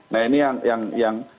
nah ini yang